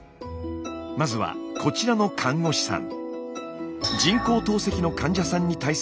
まずはこちらの看護師さん。